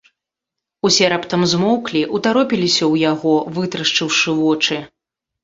Усе раптам змоўклі, утаропіліся ў яго, вытрашчыўшы вочы.